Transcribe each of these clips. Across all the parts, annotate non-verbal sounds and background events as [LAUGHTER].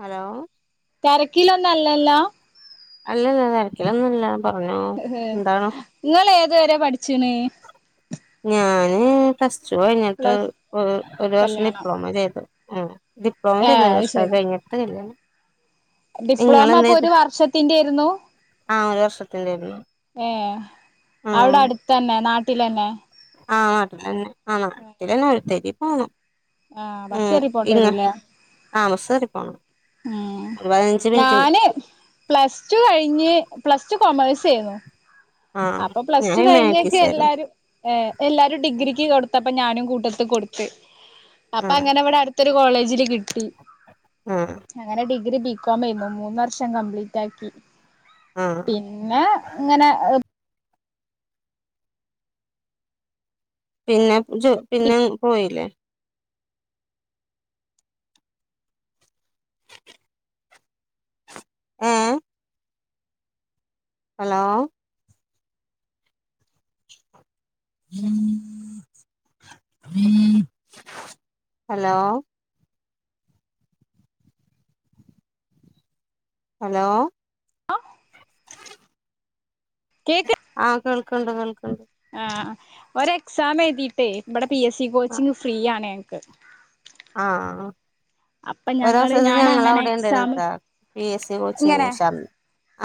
Hello തിരക്കിലൊന്നും അല്ലല്ലോ അല്ലല്ല തിരക്കലൊന്നുംല്ല പറഞ്ഞോ എന്തണ വരെ പഠിച്ചുന ഞാന് പ്ലസ് ടു കഴിഞ്ഞിട്ട് പ്ലസ് ഒരു ഒരു വർഷം കല്യാണം ഡിപ്ലോമ ചെയ്തു ഉ ഡിപ്ലോ ഏ ചെയ്ത ഒരു അത് വർഷം ശരി കഴിട്ട്ല്ലേ ഡിപ്ലോമ അപ്പൊ ഒരു വർഷത്തിന്റൊയിരുന്നു ആഹ ഒരു വർഷതിന്റെ ആയിരുന്നു അവിടെ അടുത്തതന്നെ നാട്ടിൽന്നെ ആ നാട്ടന്നെ ആ നാട്ടന്നെ ഒഴുത്തരി പോു ആ ബസ് ഉം കയറി പോണ്ടി ഇങ്ങ ആമ ശരി പോണം ഉ ഒരു പതിനഞ്ച് മിനിറ്റിന് ഞാന് പ്ലസ് ടു കഴിഞ്ഞ് പ്ലസ് ടു കോമേഴ്സ് ചെയമ ആ അപ്പൊ ഞാൻ പ്ലസ് ടു കഴിഞ്ഞക്കെ ഹ്യൂമാനിറ്റീസായിരുന്നു എല്ലാരും എല്ലാരും ഡിഗ്രിക്ക് കൊടുത്തപ്പ ഞാനും കൂട്ടത്ത് കൊട്ത്ത് അപ്പ ആ അങ്ങനെ ഇവടെ അട്ത്തൊര് കോളേജിൽ കി ട്ടി ആ അങ്ങനെ ഡിഗ്രി ബികോംമെയ്ന്നു മൂന്ന് വർഷം കംപ്ലീറ്റ് ആക്കി ആ പിന്നെ ഇങ്ങനെ പിന്നെ ജോ പിന്നെ പോയിലെ ഏ ഹലോ ഉ ഉ [UNINTELLIGIBLE] ഹലോ ഹലോ ആ കേൾക്ക്ണ്ട് കേൾ ആ ഒരു എക്സാം എഴുതിട്ടേ ഇബടെ P S C coaching free ആണ് ക്കെ ആ ഒരു ഞങ്ങള് ദുവ്സത്തെ ഞാൻ ഞങ്ങളെ അങ്ങനെ അയുടെ എക്സാം ഇണ്ടായിര്ന്നുതാ പി എസ് സി കോച്ചിങ് ഇങ്ങനെ [UNINTELLIGIBLE]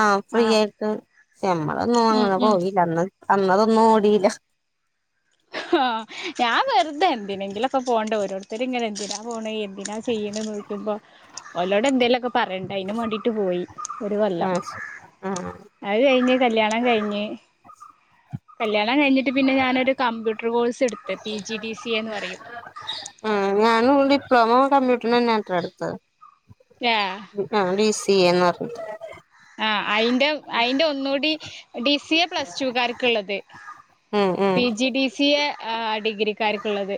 ആ ഫ്രീ ആഹ് ആയിട്ട് ഞമ്മളൊന്നും ഉം അങ്ങനെ ഉം പോയി ഇല്ല അന്ന് അന്ന് ഇതൊന്നും ഓടീലാ ഹ് ആ ഞാൻ വെർതെ എന്തിനെങ്കിലു പ്പ പോണ്ടേ ഓരോര്ത്തര് ഇങ്ങനെ എന്തിനാ പോണെ എന്തിനാ ചെയ്യ്ണെന്ന് ചോയിക്കുമ്പോ ഓലോട് എന്തെലും ഒക്കെ പറെണ്ടെ അയിന് മാണ്ടീട്ട് പോയി ഒര് കൊല്ലം ഉം ഉം അയ് കഴിഞ്ഞ് കല്യാണം കഴിഞ്ഞ് കല്യാണം കഴിഞ്ഞിട്ട് പിന്നെ ഞാനൊരു കമ്പ്യൂട്ടർ കോഴ്സ് എട്ത്ത് P G D C A ന്ന് പറയും ആ ഞാനും ഡിപ്ലോമ കമ്പ്യൂട്ടർ നെന്നെത്രെ ആ ഇട്ത്തത് ആ ഡി സി എ എന്ന് പറഞ്ഞിട്ട് ആ അയിന്റെ അയിന്റെ ഒന്നുടി D C A plus two കാർക്ക് ഇള്ളത് ഉം ഉം P G D C A ഡിഗ്രികാർക്ക് ഇള്ളത്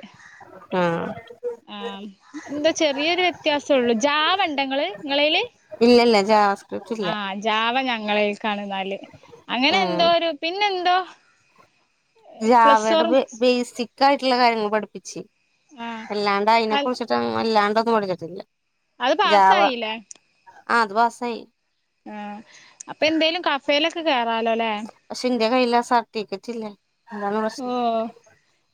ആ ആ ഇന്താ ചെറിയൊരു വ്യത്യാസൊള്ളു ജാവ ഇണ്ടോ ഇങ്ങൾ ഇങ്ങളെയ്ൽ ഇല്ലല്ല ജാവ ആ ജാവ ഞങ ഇങ്ങളെയ്ക്കാണ് ഇന്നാൽ അങ്ങനെ ഉം എന്തോ ഒരു പിന്നെന്തോ ജാവേടെ ബേ ബേസി ക്ക് ആയിട്ട്ള്ള കാര്യങ്ങൾ പഠിപ്പിച്ച് ആ അല്ലാണ്ട് അയിനെ കുറിച്ചിട്ട് വല്ലാണ്ടൊന്നും പഠിച്ചിട്ടില്ല അത് പാസ്സായില്ലേ ആ അത് പാസ്സായി ആ അപ്പ എന്തേലും കഫെലൊക്കെ കേറാലോ ലെ ഇന്റെ കയ്യിൽ ആ സർട്ടിഫിക്കറ്റില്ല അതാണ് ഓ പ്രശ്നം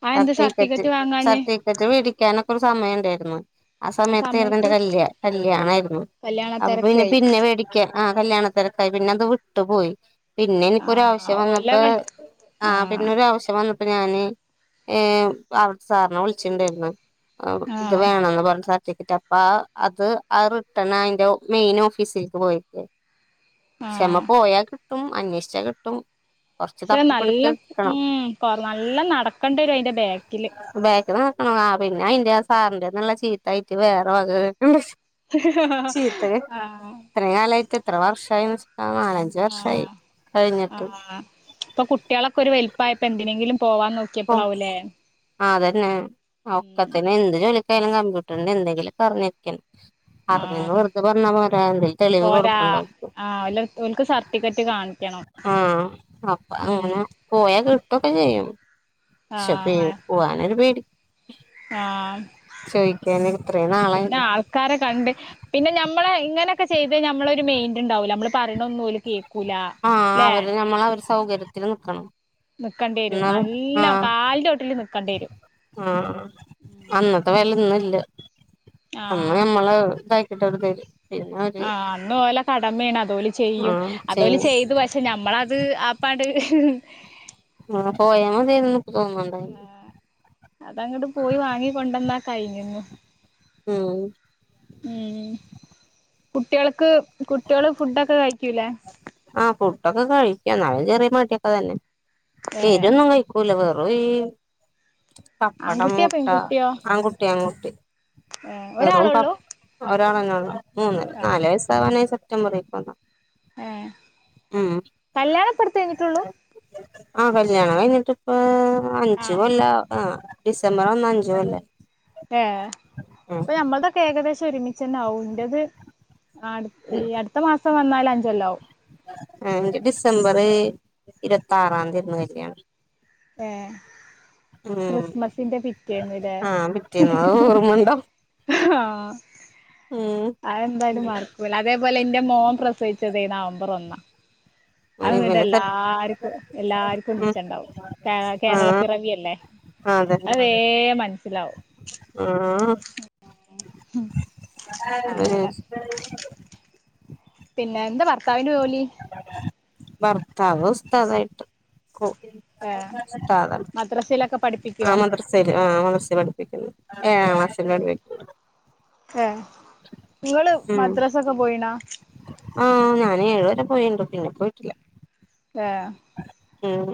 അതെന്താ സർട്ടിഫിക്കറ്റ് വാങ്ങാഞ്ഞേ സർട്ടിഫിക്കറ്റ് മേടിക്കാനൊക്കെ ഒരു സമയം ഇണ്ടായിര്ന്ന് ആ സമയത്തായിരുന്നു ഇന്റെ കല്യാ കല്യാണായിരുന്നു കല്യാണ അപ്പൊ പിന്നെ തിരക്കായി പിന്നെ വേടിക്ക ആ കല്യാണ തെരക്കായി പിന്നെ അത് വിട്ടു പോയി പിന്നെ ആ എനിക്കൊരാവശ്യം ഓലെ വന്നപ്പോ കൈ ആ പിന്നൊരു ആവശ്യം വന്ന അപ്പ ഞാന് എ അവ്ട്ത്തെ സാറിനെ വിളിച്ചി ഇണ്ടായിരുന്നു ആ ഇത് വേണൊന്ന് പർഞ്ഞ് സർ ഫിക്കറ്റ് അപ്പ അത് അയ് റിട്ടണായി അയിൻ്റെ മെയിൻ ഓഫീസേക്ക് പോയിരിക്കാ ആ ക്ഷേ അമ്മ പോയാൽ കിട്ടും അന്വേഷിച്ചാ കിട്ടും കൊറച്ച് പക്ഷെ നല്ല തപ്പിപിട്ത്ത് ഇട്ക്കണം ഉം കൊറ നല്ല നടക്കണ്ടി വരും അയിന്റെ ബാക്കില് ബേക്കിന്ന് ആ പിന്നെ അയിന്റെ ആ സാറിന്റെന്ന് ഇള്ള ചീത്തായിട്ട് വേറെ വക കേ [UNINTELLIGIBLE] ചീത്ത കേക്ക് ആ ഇത്രീം കാലയിട്ട് എത്ര വർഷായിന്ന് വെച്ചിട്ടാ നാലഞ്ച് വർഷായി കഴിഞ്ഞിട്ട് ഇപ്പ കുട്ടാളൊക്കെ ഒര് വെൽപ്പായപ്പം എന്തിനെങ്കിലും പോവാൻ ഓ നോക്കിയപ്പോളാവൂലേ അതന്നെ ഉം ഒക്കത്തി എന്ത് ജോലിക്കായാലും ക ട്ടണ്ട് എന്തെങ്കിലും പറഞ്ഞിരിക്കണം ആ അറിഞ്ഞന്ന് വെറുതെ പറഞ്ഞാ പോരാ എന്തേലും തെളിവ് പോരാ കൊടുക്കണ്ടേ ആ ഓല് ഓൽക്ക് സർട്ടിഫിക്കറ്റ് കാണിക്കണം ആ അപ്പ അങ്ങനെ ഉം പോയാ കി ഇതൊക്കെ ചെയ്യും പക്ഷേ ഇപ്പോ ആ പോകാനൊരു പേടി ആ ചോദിക്കാന് ഇത്രയും പിന്നെ നാളായില്ലേ ആൾക്കാരെ കണ്ട് പിന്നെ ഞമ്മളെ ഇങ്ങനെ ഒക്കെ ചെയ്ത് നമ്മളെ ഒരു മൈൻഡ് ഇണ്ടാവുല നമ്മൾ പറയണ ഒന്നും ഓല് കേൾ ആ അവര് ഞമ്മളെ സൗകര്യത്തില് നിക്കണം നിക്കണ്ടി വരും എന്ന നല്ല ആ കാലിന്റെ ചോട്ടില് നിക്കണ്ടി വരും ആഹ് അന്നത്തെ വിലൊന്നും ഇല്ല അന്ന് ആഹ് ഞമ്മള ഇതാക്കാക്കിട്ട് [UNINTELLIGIBLE] ആ അന്ന ഓലെ കടമയണ് അത്‌ ഓല് ചെയ്യും ആഹ് അതോല ചെയ്യും ചെയ്ത് പക്ഷെ നമ്മളത് ആ പ [UNINTELLIGIBLE] ആ പോയാമതീന്ന്നിനക്ക്തോന്നുന്നുണ്ട അതങ്ങോട്പോയി വാങ്ങി കൊണ്ട ന്നാ കഴിഞ്ഞു ഉം ഉം കുട്ടികൾക്ക് കുട്ടികള് ഫുഡൊക്കെ കഴിക്കൂലേ ആ ഫുഡൊക്കെ കഴിക്കും എന്നാല് ചെറിയ മട്യൊക്കെ തന്നെ ഏഹ് എരൊന്നും കഴിക്കൂല [UNINTELLIGIBLE] പപ്പടം ആൺകുട്ടിയോ മുട്ട ആകുട്ടി ആകുട്ടി ഏ ഒരാളള്ളൂ ഒരാള് തന്നെയുള്ള മൂന്ന് നാല് വയസ്സാവന സെപ്റ്റംബർന്നോ ഏ കല്യാണപ്പടുത്ത കഴിഞ്ഞിട്ടുള്ളൂ ആ കല്യാണം കഴിഞ്ഞിട്ട് ഇപ്പ അഞ്ച ആഹ് കൊല്ല ആ ഡിസംബർ വന്ന അഞ്ച കൊല്ല ഏ അപ്പൊ ഞമ്മൾതൊക്കെ ഏകദേശം ഒരുമിച്ച തന്നെ യാവും ന്റേത് ആ അടു ഈ അടുത്ത മാസം വന്നാല് അഞ്ചല്ല ആവും ആ എന്റെ ഡിസംബർ ഇരുപത്ത ആറാം തീ ആയിരുന്നു കല്യാണം എ ഉം ക്രിസ്മസിന്റെ പിറ്റന്ന ല്ലേ ആഹ് പിറ്റേന്ന് അത് ഓർമ്മണ്ടോ ആ ഉം ആ അതെന്തായാലും മറക്കല്ല അതേപോലെ എന്റെ മോൻ പ്രസവിച്ചത് മ്പരൊന്ന അത് പിന്നെ സെപ് വീട്ടില്എല്ലാർക്കും എല്ലാർക്കും ഉം മിച്ച ഇണ്ടാവും കേരള ആഹ് പിറവിയല്ലേ അതന്നെ അതേ മനസ്സിലാവും ആഹ് ഉം ഉം പിന്നെ എന്താ ഭർത്താവിന് ജോലി കൊ ഭർത്താവ് ഉസ്താതായിട്ട് ഏ മദ്രസയിലൊക്കെ ഉസ്താദാണ്ആ പഠിപ്പിക്കോ മദർസൽ ആ മദർസെപഠിപ്പിക്കുന്നു ഏ മസൽ [UNINTELLIGIBLE] ഏ നിങ്ങള് മദ്രാസൊക്കെ പോയിണോ ആ ഞാൻ ഏഴുവരെ പോയണ്ട് പിന്നെ പോയിട്ടില്ല എ ഉം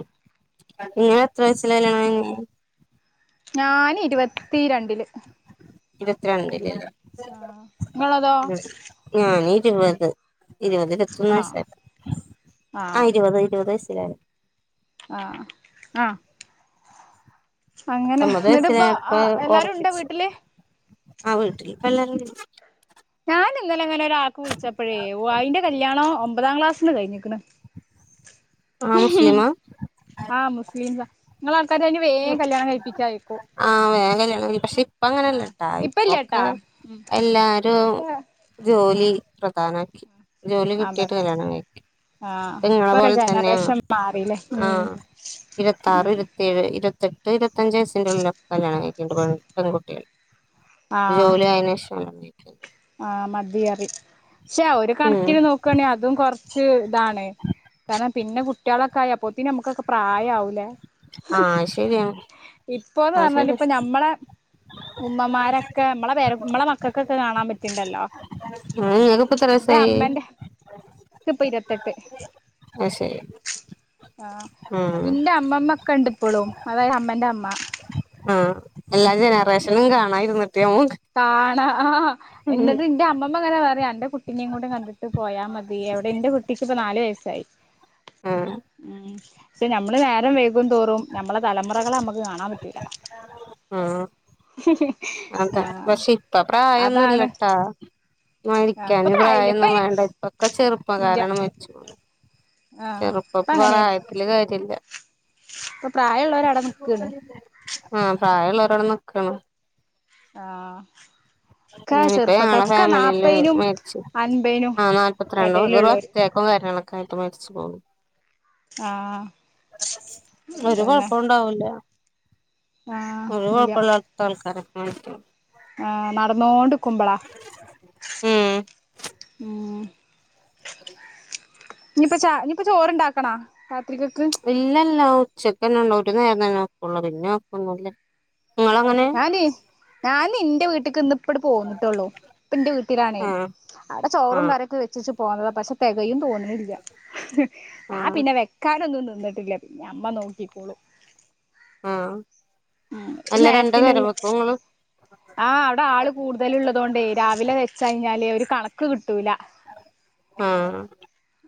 ഇങ്ങെ എത്ര വയസിലാകല്യാണം കയിഞ്ഞ ഞാന് ഇരുപത്തിരണ്ടില് ഇരുപത്തിരണ്ടല്ലല്ല ആ ഇങ്ങളെതോ ഞാന് ഇരുപത് ഇരുപത് ഇരുത്തൊന്ന് ആ വയസ ആ ഇരുപത് ഇരുപത് ലാണ് ആ ആ അങ്ങനെ പത്തൊമ്പത് എന്നിട്ടിപ്പ വയസിലായപ്പ എല്ലാരും ഉണ്ടോ ഉറപ്പിച്ചു വീട്ടില് ആ വീട്ടില് ഇപ്പ എല്ലാരും ണ്ട് ഞാനൻ ഇന്നലെ അങ്ങനെ ഒരാക്ക് വിളിച്ചപ്പോഴേ അൻന്റെ കല്യാണം ഒമ്പതാം ക്ലാസ്സില് കഴിഞ്ഞിക്കണ് ആഹ മുസ്ലിമാ നിങ്ങളൾക്കാരിന് വേഗം കല്യാണം കഴിപ്പിചയക്കും ആഹ വേഗംകല്യാണം പക്ഷെ ഇപ്പ അങ്ങനെല്ല ആ ട്ടാ ഇപ്പല്ല്യാട്ടാ ഇപ്പൊക്കെ ഉം എല്ലാരും ഇപ്പൊക്കെ ആ ജോലി പ്രധാന ജോലി കിട്ടിട്ട് അതന്നെ കല്യാണ കഴിക്ക ആ ങ്ങളെ ഇപ്പൊക്കെ പോലെ തന്നെയ ജനറേഷൻ മാറില്ലേ ഉം ആഹ ഇരുപത്താറ് ഉം ഇരുപത്തേഴ് ഇരുപ പത്തെട്ട് ഇരുപത്തഞ്ച് വയസി്ന്റുള്ളല കല്യാണം കഴിക്കുന്നത്പൺകുട്ടികൾ ജോലി ആയിനേഷ ആ മതിറി പക്ഷേ ഒരു ഉം കണക്കിന് നോക്കുകയാണെിൽ അതും കുറച്ച് ഇതാണ് കാരണം പിന്നെ കുട്ടികളൊക്കെ ആയി അപ്പത്ത നമുക്കൊക്കെ പ്രായ ആവൂലേ ആ അത് ശരിയാണ് ഇപ്പൊന്ന് അത് പറഞ്ഞാല് ശരിയാ ഇപ്പൊ നഞമ്മള ഉമ്മമാരൊക്കെ നമ്മളെ പേമ്മളെ മക്കൾക്കൊക്കെ കാണാൻ പറ്റിണ്ടല്ലോ ആ ഇങ്ങക്കിപ്പ എത്ര എന്റെ വയസായി അമ്മേറെ ഇപ്പൊ ഇരുപത്തെട്ട് അത് ശരി ആഹ ഉം എന്റെ അമ്മമ്മ ഒക്കെ ഇണ്ട് ഇപ്പോളും അതായത് അമ്മന്റെ അമ്മ ആ എല്ലാ ജനറേഷനും കാണാരുന്നിട്ടേ കാണാ ആഹ എന്നട്ട് എന്റെ അമ്മ അങ്ങന പറയാ എന്റെ കുട്ടീേ കൂ കണ്ടിട്ട പോയാൽ മതി എവിടെ എന്റെ കുട്ടിക്ക്പ്പ നാ വയസ് സായി ആ ഉ പക്ഷെ നമ്മള് നേരം വൈകും തോറും നമ്മളെ തലമുറകെ നമുക്ക് കാണാൻ പറ്റൂല്ല ആഹ് ഉം അതാ പക്ഷെ ഇപ്പ പ്രായൊന്നല്ലട്ടാ ആഹ് ഇപ്പൊ മരിക്കൻ പ്രായല്ല ഇപ്പ പ്രായമൊന്നും വേണ്ട ഇപ്പൊക്കെ ചെറുപ്പം ഇല്ല കാരണം വെച്ച ആഹ് ഇപ്പ ചെറുപ്പപ്പ അങ്ങനെയാണ് പറായട്ടല് കാര്യില്ല ഇപ്പൊ പ്രായമുള്ളവര അവിട നിക്കാണ് ആഹ പ്രായൾ ഒരോടെ നക്കണം ആ ഉ ഇപ്പൊ ഞങ്ങളെ ഫാമിലിയില് മേച്ച അൻപയിനും ആ നാല്പത്തി രണ്ട എടയിലുള്ളോര് വത്തിയാക്കും കര കട്ട് മരിച്ചു പോകും ആഹ് ഒരു അതന്നെ കുഴപ്പം ഉണ്ടാവൂല ആഹ് ഒരുപ്പള്ളത്ത താണ്ക്കാര ആഹർ നടന്നോണ്ട്ിരിക്കുമ്പളാ ഉം ആ ഇനിപ്പ ച ഇനിപ്പോ ചോറണ്ടാക്കണ ഇല്ലല്ല ഉച്ചക്കന്നെ ഉള്ള ഒരു നേരം തന്നെ നോക്കള്ളൂ പിന്നെ നോക്കന്നല്ല ഞാന് ഞൻ എറെ വീട്ടക്ക് ഇന്ന് ഇപ്പ പോന്നിട്ടുള്ളൂ ഇപ്പ എന്റെ വീട്ടിലാണേ ആഹ് അവിടെ ചോറും ആഹ് കരയൊക്കെ വെച്ചി പോന്നത പക്ഷെ തികയും തോന്നുന്നില്ല ആ ആഹ് പിന്നെ വെക്കാനൊന്നുംു വന്നിട്ടില്ല പിന്നെ അമ്മ നോക്കിിക്കോളു ആഹ് ആ അല്ല രണ്ട് നേരത്തിനള്ള നേരം വെക്കോ ഇങ്ങള് ആഹ് അവിടെ ആള് കൂടുതലള്ളതുകൊണ്ടേ രാവിലെ വെച്ച കഴിഞ്ഞാല് ഒരു കണക്ക് കിട്ടൂല [INAUDIBLE] ആഹ്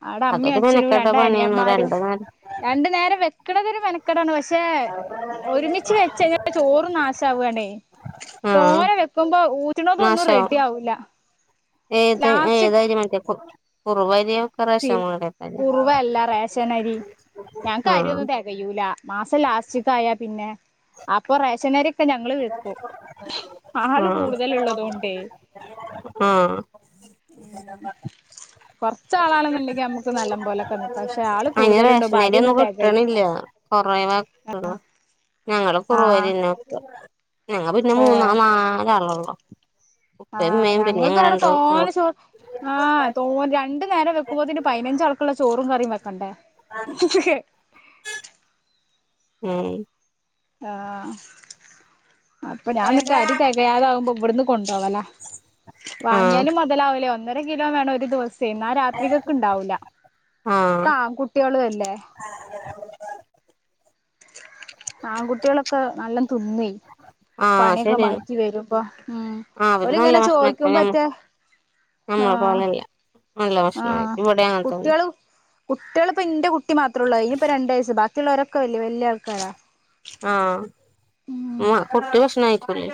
ആവിടെ അമ്മയും അതൊരു അച്ഛനും മെനക്കെട്ട രണ്ട പണിയാണ് അനിയമാരും രണ്ടു നേരം രണ്ടു നേരം വെക്കടത ഒരു വെനക്കെടാണ് ആ ഒരുമിച്ച് വെച്ചഞ്ഞ ചോറും നാശാവുവാണേ ആഹ് തോലെ വെക്കുമ്പോ ഊറ്റണതൊന്നും നാശാവും റെഡി ആവില്ല ഏത് ഏതായിയ മറ്റേ കുറവായിരിയോ സ കുറവല്ല റേഷനരി ഞങ്ങക്ക് കാര്യം ആഹ് ഒന്ന തക്ക യൂല മാസം ലാസ്റ്റക്കയാ പിന്നെ അപ്പൊ റേഷനരി അക്ക ഞങ്ങള്ൾ വൽക്കും ആള് ആഹ് കൂടുതല ഉള്ളത് കൊണ്ടേ ആ കുറച്ച ആളാണെന്നുണ്ടെങ്കിൽ നമുക്ക് നല്ലം പോലൊക്കെ നിക്കാം പക്ഷെ ആള് അന് കൂടുതലുണ്ടാവുമ്പോ റേഷനരി ഒന്നും അരിയൊന്നും തികയൂല കിട്ടണില്ല കൊറവേ കിട്ടുള്ള ഞങ്ങ ആഹ് കുറുവന്നെ ഞങ്ങ പിന്നെ മൂന്നാല് നാലാളള്ളു ആ ഞങ്ങ അവിടെ തോന പെൺകു ചോ ആ തോ രണ്ട് നേരം വെക്കുമ്പോത്തിന് പൈനഞ്ച് ആൾക്കുള്ള ചോറും കറിം വെക്കണ്ടേ ഉം ആ അപ്പ ഞാൻന്നിട്ട് അരി തെകയാതാവുമ്പോ ഇവട്ന്ന് കൊണ്ടോവേലാ ആഹ് വാങ്ങിയാലും മോതലാവുല ന്നര കിലോ വേണം ഒരു ദിവസ ത്തി ന്നാ രാത്രികക്ക് ഇണ്ടാവൂല ആഹ് കാ കുട്ടികളോല്ലേ ആൻകുട്ടികളൊക്കെ നല്ലം ത്തിന്നുയ്‌ ആഹ് പണിയൊക്കെ ശരിയാണ് മാറ്റി വരുമ്പ മ് ആഹ് അവര് നല്ല ഒരിങ്ങനെ ചോയ്‌ക്കും ഭക്ഷണൊക്കെ ഞമ്മ ബറ്റേ [UNINTELLIGIBLE] ആ ഭക്ഷണം കഴിക്കും. ഇവിടെ അങ്ങനത്തന്നെ കുട്ടികളും കുട്ടികൾ ഇപ്പ ഇന്റെ കുട്ടി മാത്രള്ളൂ ഐനിപ്പൊ രണ്ട് വയസ് ബാക്കിള്ളോരൊക്കെ ആ മ്മ കുട്ടി ഭക്ഷണം കഴിക്കൂലേ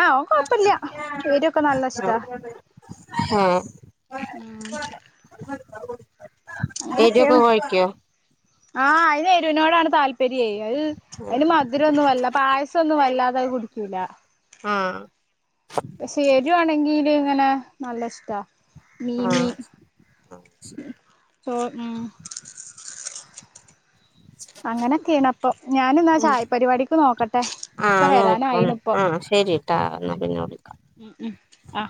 ആ ഓൻ കൊയ്‌പ്പില്ല ഏരൊക്കെ നല്ല ഇഷ്ടാ ആ അങ്ങനൊക്കെണ് ആ അയിന് ഏരൂന്നോടാണ് താല്പര്യം അയ്‌ന് മത് രൊന്നും വല്ല പായസൊന്നും വല്ലാതെ അഹ് കുടിക്കൂല ആഹ് പ സെരുആണെങ്കില് ഇങ്ങനെ നല്ല ഇഷ്ടാ ആ മീന് [UNINTELLIGIBLE] അങ്ങനെക്കെയാണ് പ്പം ഞാന് ന്നാ ചായ പരിപാടിക്ക് നോക്കട്ടെ ആ ഒക്കെ നോക്കം വരാനായിണ് ഇപ്പൊ ആ ശരിട്ടാ എന്നാ പിന്നെ വിളി ഉം ഉം അ